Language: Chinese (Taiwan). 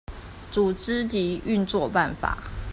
組織及運作管理辦法